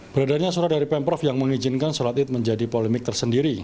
beredarnya surat dari pemprov yang mengizinkan sholat id menjadi polemik tersendiri